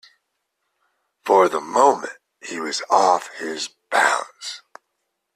For the moment he was off his balance.